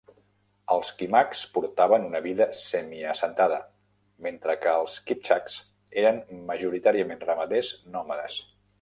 Els Kimaks portaven una vida semi-assentada, mentre que els Kipchaks eren majoritàriament ramaders nòmades.